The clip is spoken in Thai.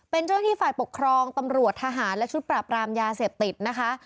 เป็นเจ้าหน้าที่ฝ่ายปกครองตำรวจทหารและชุดปราบรามยาเสพติดนะคะ